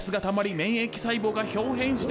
免疫細胞がひょう変してしまった！